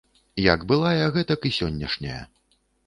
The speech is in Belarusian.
Як былая, гэтак і сённяшняя.